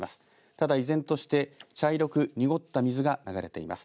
ただ依然として茶色く濁った水が流れています。